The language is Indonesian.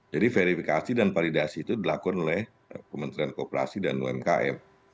jadi verifikasi dan validasi itu dilakukan oleh kementerian kooperasi dan umkm